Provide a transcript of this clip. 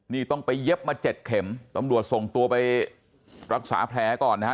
นี่ต้องไปเย็บมาเจ็ดเข็มตำรวจส่งตัวไปรักษาแผลก่อนนะฮะ